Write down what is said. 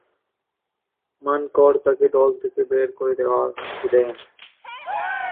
মানকড় তাকে দল থেকে বের করে দেয়ার হুমকি দেন।